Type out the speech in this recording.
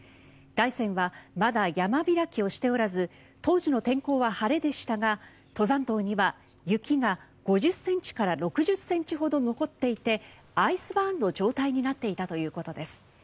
大山はまだ山開きをしておらず当時の天候は晴れでしたが登山道には雪が５０ｃｍから６０ｃｍほど残っていてアイスバーンの状態になっていたということです。